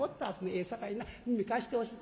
「ええさかいな耳貸してほしい」。